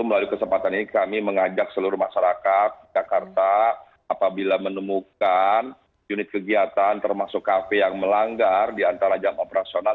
melalui kesempatan ini kami mengajak seluruh masyarakat jakarta apabila menemukan unit kegiatan termasuk kafe yang melanggar di antara jam operasional